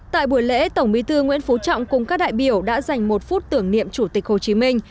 tại buổi lễ tổng bí thư nguyễn phú trọng cùng các đại biểu đã dành một phút tưởng niệm chủ tịch hồ chí minh